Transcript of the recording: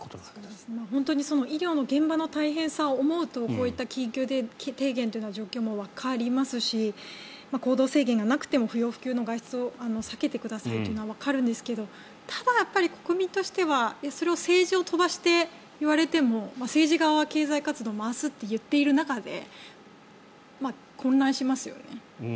本当に医療の現場の大変さを思うとこういった緊急提言という状況もわかりますし行動制限がなくても不要不急の外出を避けてくださいというのはわかるんですけどただ、やっぱり国民としてはそれを政治を飛ばして言われても政治側は経済活動を回すと言っている中で混乱しますよね。